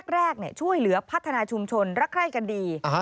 แรกช่วยเหลือพัฒนาชุมชนรักใคร่กันดี